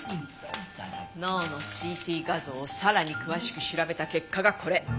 脳のＣＴ画像をさらに詳しく調べた結果がこれ。